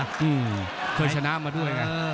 อืมเคยชนะมาด้วยนะ